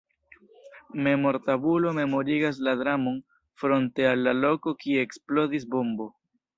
Memortabulo memorigas la dramon fronte al la loko kie eksplodis bombo.